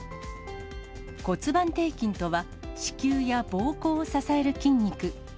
骨盤底筋とは、子宮やぼうこうを支える筋肉。